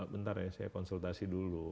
bentar ya saya konsultasi dulu